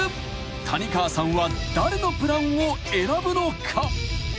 谷川さんは誰のプランを選ぶのか？］